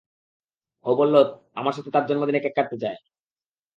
ও বললো আমার সাথে তার জন্মদিনে কেক কাটতে চায়।